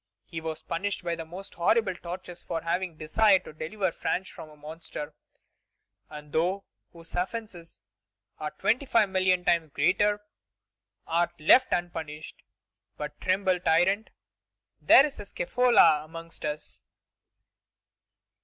He was punished by most horrible tortures for having desired to deliver France from a monster. And thou, whose offences are twenty five million times greater, art left unpunished! But tremble, tyrant; there is a Scævola amongst us.'"